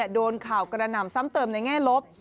โดนข่าวกระหน่ำซ้ำเติมในแง่ลบ